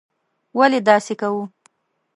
ولې داسې کوو.